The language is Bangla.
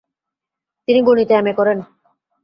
তিনি গণিতে এম.এ. করেন।